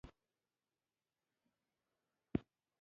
بیا نو ولاړ سه آیینې ته هلته وګوره خپل ځان ته